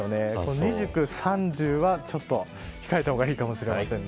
２９、３０はちょっと控えた方がいいかもしれませんね。